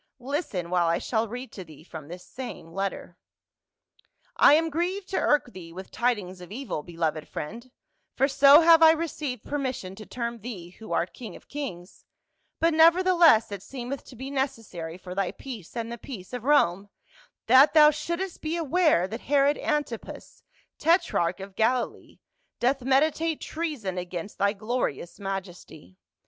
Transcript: Listen, while I shall read to thee from this same letter. "' I am grieved to irk thee with tidings of evil, be loved friend — for so have I rcceiv^ed permission to term thee, who art king of kings — but nevertheless it seem eth to be necessary for thy peace and the peace of Rome that thou shouldst be aware that Herod Antipas, tetrach of Galilee, doth meditate treason against thy glorious majesty.